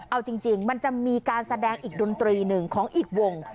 เอาจริงมันจะมีการแสดงอีกดนตรีหนึ่งของอีกวง